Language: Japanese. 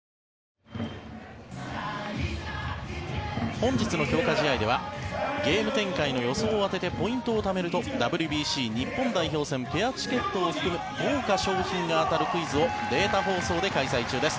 本日の強化試合ではゲーム展開の予想を当ててポイントをためるとＷＢＣ日本代表戦ペアチケットを含む豪華賞品が当たるクイズをデータ放送で開催中です。